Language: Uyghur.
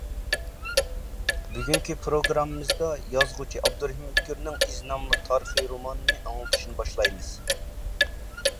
بۈگۈنكى پروگراممىمىزدا يازغۇچى ئابدۇرېھىم ئۆتكۈرنىڭ ئىز ناملىق تارىخى رومانىنى ئاڭلىتىشنى باشلايمىز.